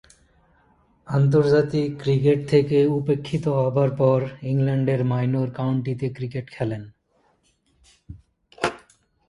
আন্তর্জাতিক ক্রিকেট থেকে উপেক্ষিত হবার পর ইংল্যান্ডের মাইনর কাউন্টিতে ক্রিকেট খেলেন।